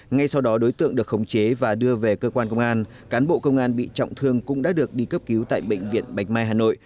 ngay sau đó đối tượng được khống chế và đưa về cơ quan công an cán bộ công an bị trọng thương cũng đã được đi cấp cứu tại bệnh viện bạch mai hà nội